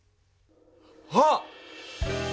あっ！